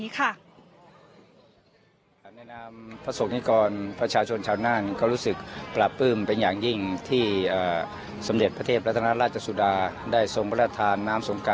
พระพุทธรูปคู่บ้านคู่เมืองของชาวจังหวัดนาน